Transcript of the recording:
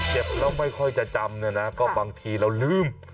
เจ็บแล้วไม่ค่อยจะจำก็บางทีเราลืม